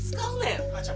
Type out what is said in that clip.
お母ちゃん